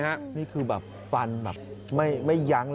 สวยสวยสวยสวยสวยสวยสวยสวย